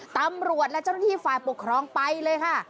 ตำรวจและเจ้าหน้าที่ฝ่ายปกครองไปเลยค่ะ